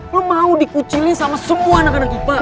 lo mau dikucilin sama semua anak anak kita